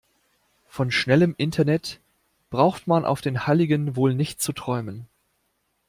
Von schnellem Internet braucht man auf den Halligen wohl nicht zu träumen.